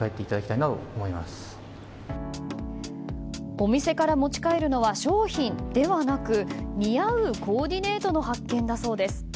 お店から持ち帰るのは商品ではなく似合うコーディネートの発見だそうです。